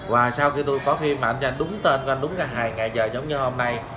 và sau khi tôi có phim mà anh cho anh đúng tên đúng là hai ngày giờ giống như hôm nay